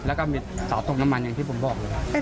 แล้วก็มีเสาตกน้ำมันอย่างที่ผมบอกเลย